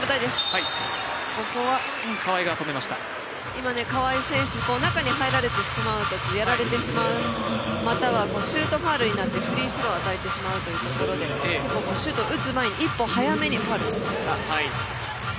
今、川井選手中に入ってしまうとやられてしまう、またはシュートファウルになってフリースローを与えてしまうところで決勝シュートを打つ前に１本、早めにファウルしました。